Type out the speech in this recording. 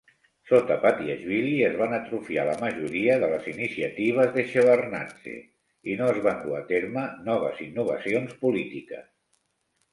Sota Patiashvili, es van atrofiar la majoria de les iniciatives de Shevardnadze i no es van dur a terme noves innovacions polítiques.